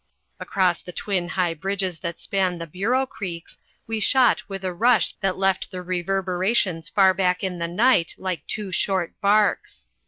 Across the twin high bridges that span the Bureau creeks we shot with a rush that left the reverberations far back in the night like two short barks.